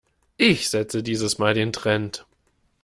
Ich setze dieses mal den Trend.